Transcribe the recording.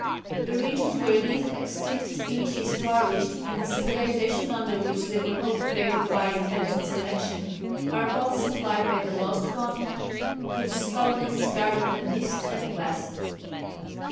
The regions where these extinct species flourished, and the civilization under which they were cultivated by intelligent selection, are both supplied by the lost continent whose colonists carried them east and west.